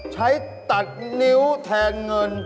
ใช้ตัดนิ้วแทนเงิน